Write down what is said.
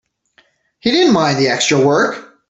He didn't mind the extra work.